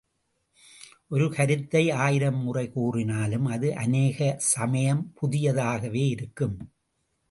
ஒரு கருத்தை ஆயிரம் முறை கூறினாலும் அது அநேக சமயம் புதிய தாகவே இருக்கும்.